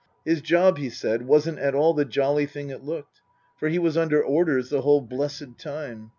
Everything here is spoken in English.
His job, he said, wasn't at all the jolly thing it looked. For he was under orders the whole blessed time.